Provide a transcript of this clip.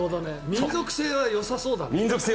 民族性はよさそうだね。